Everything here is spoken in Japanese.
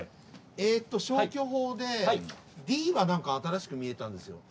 えっと消去法でＤは何か新しく見えたんですよ。